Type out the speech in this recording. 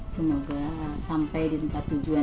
semoga sampai di tempat tujuan